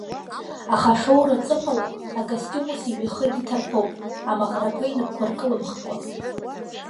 Аха ашоура аҵыхәала, акостиум ус ижәҩахыр иҭарԥоуп, амаӷрақәа инапқәа ркылымхкәа.